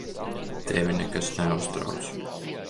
Tevi nekas neuztrauc.